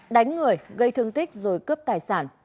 đánh người gây thương tích rồi cướp tài sản